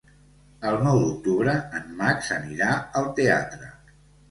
El nou d'octubre en Max anirà al teatre.